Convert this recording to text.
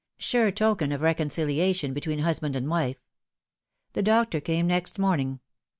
Sure token of reconciliation betweeu husband and wife. The doctor came next morning.